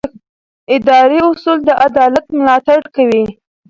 اداري اصول د عدالت ملاتړ کوي.